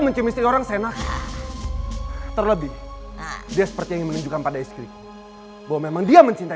mencium istri orang senang terlebih dia seperti yang menunjukkan pada istri bahwa memang dia mencinta